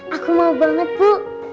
aku mau banget bu